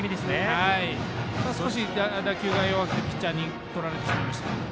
少し、打球が弱くてピッチャーにとられてしまいました。